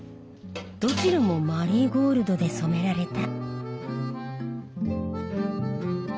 どちらもマリーゴールドで染められた。